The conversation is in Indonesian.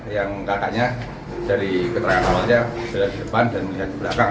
yang kakaknya dari keterangan awalnya berada di depan dan melihat di belakang